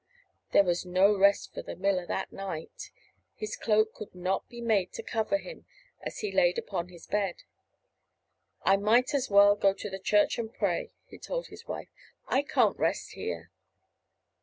There was no rest for the miller that night. His cloak could not be made to cover him as he lay upon his bed. "I might as well go to church and pray," he told his wife. "I can't rest here."